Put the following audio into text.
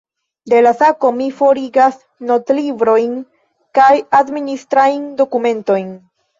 De la sako, mi forigas notlibrojn kaj administrajn dokumentojn.